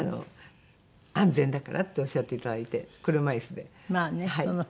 「安全だから」っておっしゃっていただいて車椅子で。